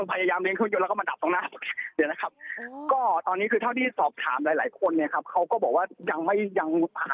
เขาได้คุยกับเขาไหมว่าหลังจากนี้เขาจะทำอย่างไรต่อ